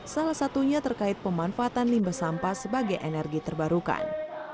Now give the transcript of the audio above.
salah satunya terkait pemanfaatan limbah sampah sebagai energi terbarukan